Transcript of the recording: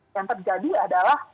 yang terjadi adalah